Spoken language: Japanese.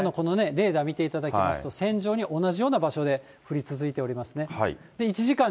レーダー見ていただきますと、線状に同じような場所で降り続いておりますね。